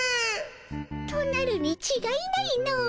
となるにちがいないの。